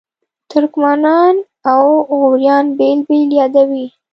ترکمنان او غوریان بېل بېل یادوي.